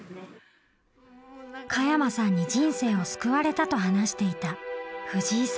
加山さんに人生を救われたと話していた藤井さんは。